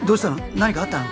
何かあったの？